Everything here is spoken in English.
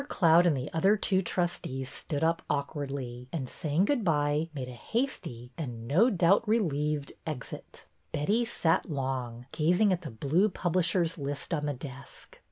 Cloud and the other two trustees stood up awkwardly and, saying good by, made a hasty, and no doubt relieved, exit. 224 BETTY BAIRD'S VENTURES Betty sat long, gazing at the blue publisher's list on the desk.